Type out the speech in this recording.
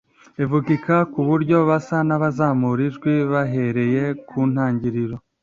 Ivugika ku buryo basa n’abazamura ijwi bahereye ku ntangiriro